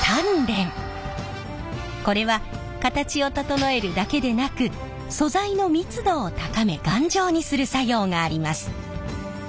これは形を整えるだけでなく素材の密度を高め頑丈にする作用があります。